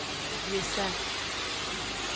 Di esa.